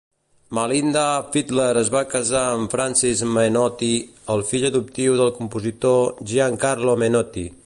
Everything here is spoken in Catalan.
Malinda Fitler es va casar amb Francis Menotti, el fill adoptiu del compositor Gian Carlo Menotti.